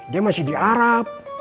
dia masih di arab